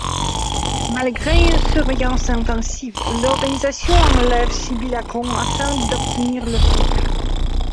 Malgré une surveillance intensive, l'organisation enlève Sybille Akron afin d'obtenir le filtre.